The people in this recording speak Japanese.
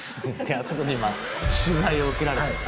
あそこで今取材を受けられてます。